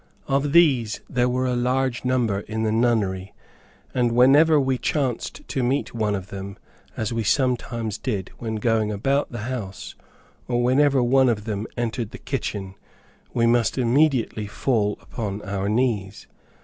Of these there were a large number in the nunnery; and whenever we chanced to meet one of them, as we sometimes did when going about the house, or whenever one of them entered the kitchen, we must immediately fall upon our knees.